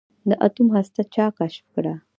د اتوم هسته چا کشف کړه.